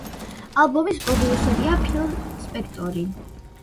ალბომის პროდიუსერია ფილ სპექტორი.